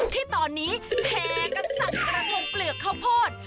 ที่ตอนนี้แห่กันสั่งกระทงเปลือกข้าวโพด